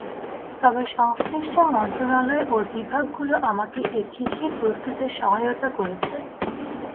তবে সংশ্লিষ্ট মন্ত্রণালয় ও বিভাগগুলো আমাকে এ চিঠি প্রস্তুতে সহায়তা করেছে।